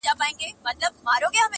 • کښتۍ وان چي وه لیدلي توپانونه-